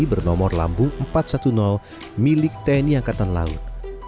bernomor lambung empat ratus sepuluh milik tni angkatan laut